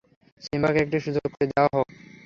সিম্বাকে একটি সুযোগ দেওয়া হোক!